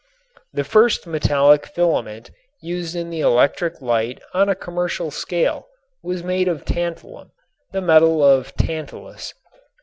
The first metallic filament used in the electric light on a commercial scale was made of tantalum, the metal of Tantalus.